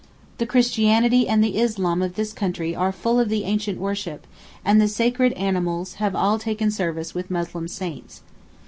The Christianity and the Islam of this country are full of the ancient worship, and the sacred animals have all taken service with Muslim saints.